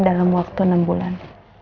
dalam waktu enam bulan